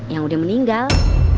yang udah meninggal